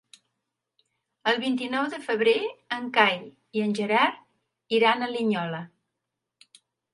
El vint-i-nou de febrer en Cai i en Gerard iran a Linyola.